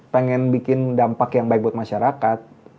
pengen bikin dampak yang baik buat masyarakat